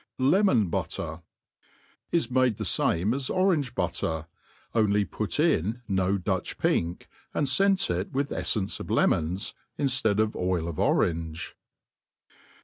Lemon^Butter. IS made the fame as orahge biittet . Only put in no Dutch pink, and fcent it with eflfence of lemons, inftead of oil of Orange.